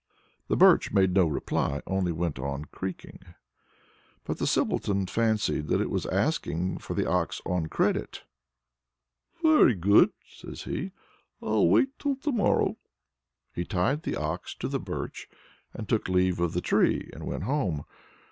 The Birch made no reply, only went on creaking. But the Simpleton fancied that it was asking for the ox on credit. "Very good," says he, "I'll wait till to morrow!" He tied the ox to the Birch, took leave of the tree, and went home.